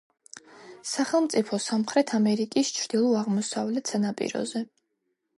სახელმწიფო სამხრეთ ამერიკის ჩრდილო–აღმოსავლეთ სანაპიროზე.